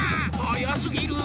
はやすぎる！